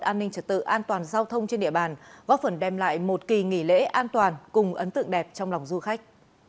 an ninh trật tự an toàn giao thông trên địa bàn góp phần đem lại một kỳ nghỉ lễ an toàn cùng ấn tượng đẹp trong lòng du khách